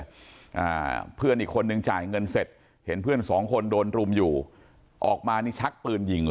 อ่าเพื่อนอีกคนนึงจ่ายเงินเสร็จเห็นเพื่อนสองคนโดนรุมอยู่ออกมานี่ชักปืนยิงเลย